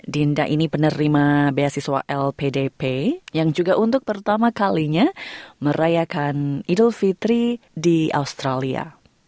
dinda ini penerima beasiswa lpdp yang juga untuk pertama kalinya merayakan idul fitri di australia